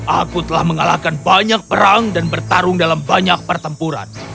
aku telah mengalahkan banyak perang dan bertarung dalam banyak pertempuran